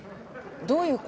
どういう事？